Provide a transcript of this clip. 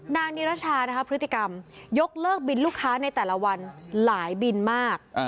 นิรชานะคะพฤติกรรมยกเลิกบินลูกค้าในแต่ละวันหลายบินมาก